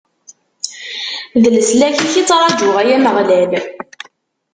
D leslak-ik i ttṛaǧuɣ, ay Ameɣlal!